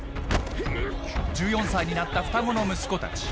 １４歳になった双子の息子たち。